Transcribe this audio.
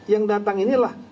yang datang inilah